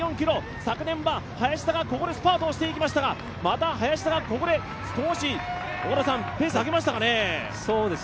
昨年は林田がここでスパートをしてきましたがまた林田がここで少しペースを上げましたかね？